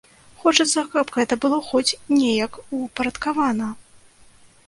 Хочацца, каб гэта было хоць неяк упарадкавана!